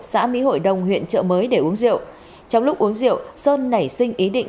xã mỹ hội đông huyện chợ mới để uống rượu trong lúc uống rượu sơn nảy sinh ý định